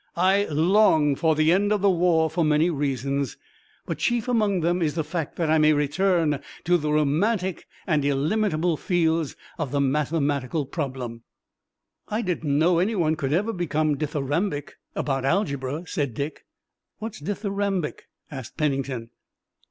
I long for the end of the war for many reasons, but chief among them is the fact that I may return to the romantic and illimitable fields of the mathematical problem!" "I didn't know anyone could ever become dithyrambic about algebra," said Dick. "What's dithyrambic?" asked Pennington.